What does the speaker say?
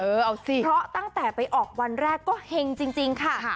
เออเอาสิเพราะตั้งแต่ไปออกวันแรกก็เฮงจริงจริงค่ะค่ะ